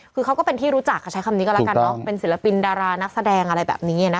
คือเขาก็เป็นที่รู้จักค่ะใช้คำนี้ก็แล้วกันเนอะเป็นศิลปินดารานักแสดงอะไรแบบนี้